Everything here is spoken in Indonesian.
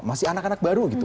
masih anak anak baru gitu